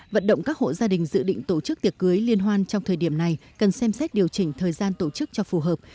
vận động các hộ gia đình dự định tổ chức tiệc cưới liên hoan trong thời điểm này cần xem xét điều chỉnh thời gian tổ chức cho phù hợp